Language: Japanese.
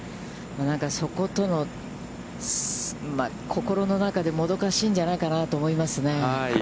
なんか、そことの心の中でもどかしいんじゃないかなと思いますね。